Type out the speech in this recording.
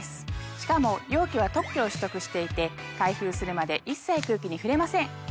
しかも容器は特許を取得していて開封するまで一切空気に触れません。